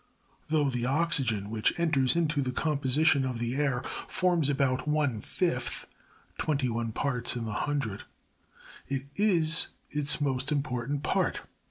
23. Though the oxygen which enters into the composition of the air forms but about one fifth (21 parts in the 100,) it is its most important part.